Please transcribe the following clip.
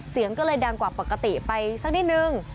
เสียงก็เลยดังกว่าปกติไปสักนิดนึง